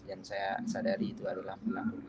dan saya sadari itu adalah pelaku